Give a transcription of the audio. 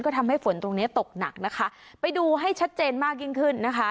ก็ทำให้ฝนตรงเนี้ยตกหนักนะคะไปดูให้ชัดเจนมากยิ่งขึ้นนะคะ